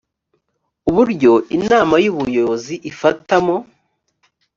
uburyo inama y ubuyobozi ifatamo